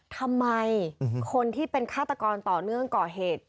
ทำไมคนที่เป็นฆาตกรต่อเนื่องก่อเหตุ